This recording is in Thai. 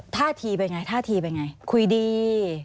ท่าทีเป็นไงคุยดี